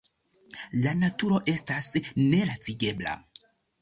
La naturo estas nelacigebla.